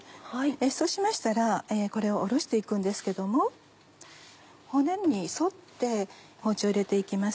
そうしましたらこれをおろして行くんですけども骨に沿って包丁入れて行きます